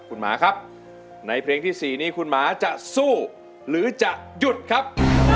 คุณหมาครับในเพลงที่๔นี้คุณหมาจะสู้หรือจะหยุดครับ